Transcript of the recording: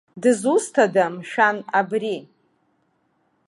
Дызусҭада, мшәан, абри?